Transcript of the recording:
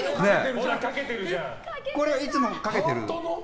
これはいつもかけてるの？